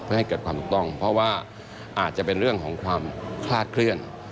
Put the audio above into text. เพื่อให้เกิดความถูกต้องเพราะว่าอาจจะเป็นเรื่องของความคลาดเคลื่อน